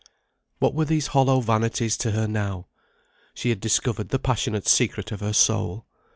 What were these hollow vanities to her, now she had discovered the passionate secret of her soul?